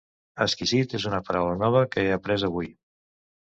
Exquisit és una paraula nova que he après avui.